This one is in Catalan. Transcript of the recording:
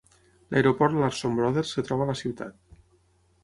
L'aeroport Larson Brothers es troba a la ciutat.